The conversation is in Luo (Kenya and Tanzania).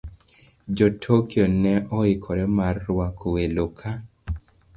Jo - Tokyo ne oikore mar rwako welo ka